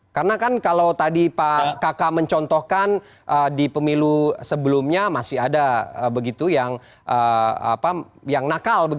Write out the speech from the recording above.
karena kan kalau tadi pak kaka mencontohkan di pemilu sebelumnya masih ada begitu yang nakal